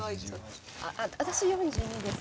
私４２です。